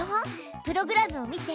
プログラムを見て。